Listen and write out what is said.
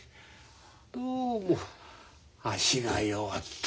どうも脚が弱った。